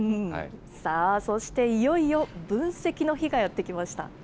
さあ、そしていよいよ、分析の日がやって来ました。